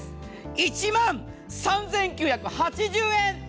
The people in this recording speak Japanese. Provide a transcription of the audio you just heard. １万３９８０円。